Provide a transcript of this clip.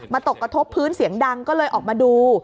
ตกกระทบพื้นเสียงดังก็เลยออกมาดู